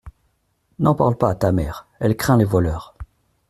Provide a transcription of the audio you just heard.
N’en parle pas à ta mère : elle craint les voleurs.